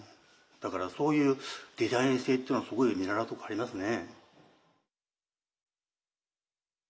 だからそういうデザイン性っていうのはすごい見習うとこありますね。